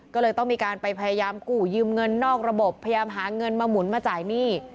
ก็เลยต้องมีการไปพยายามกู้ยืมเงินนอกระบบพยายามหาเงินมาหมุนมาจ่ายหนี้